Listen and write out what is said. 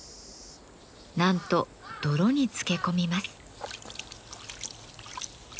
なんと泥につけ込みます。